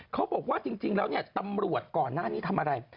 เขาบอกว่าจริงแล้วเนี่ยตำรวจก่อนหน้านี้ทำอะไร